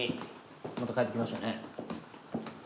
また帰ってきましたね。